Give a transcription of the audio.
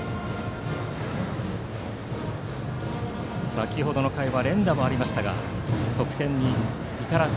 先程の回は連打もありましたが得点に至らず。